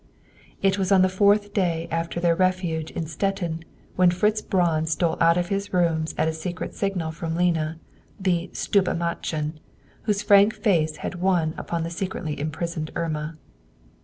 It was on the fourth day after their refuge in Stettin, when Fritz Braun stole out of his rooms at a secret signal from Lena, the "stube madchen," whose frank face had won upon the secretly imprisoned Irma.